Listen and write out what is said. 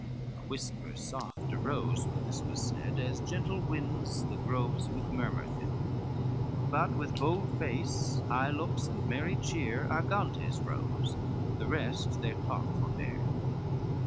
A whisper soft arose when this was said, As gentle winds the groves with murmur fill, But with bold face, high looks and merry cheer, Argantes rose, the rest their talk forbear.